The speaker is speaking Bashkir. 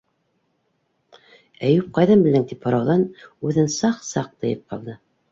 - Әйүп ҡайҙан белдең тип һорауҙан үҙен саҡ-саҡ тыйып ҡалды.